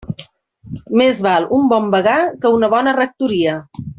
Més val un bon vagar que una bona rectoria.